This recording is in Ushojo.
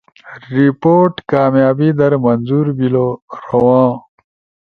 رپورٹ کامیابی در منظور بیلو، روان